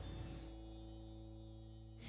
semoga aja engkau melindungi kami ya allah